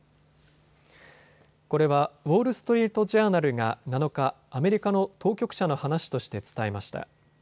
これはウォール・ストリート・ジャーナルが７日、アメリカの当局者の話として伝えました。